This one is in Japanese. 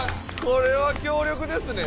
これは強力ですね